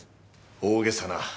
大げさな。